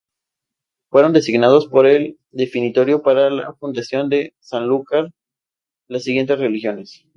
Fueron designadas por el Definitorio para la fundación de Sanlúcar las siguientes religiosas.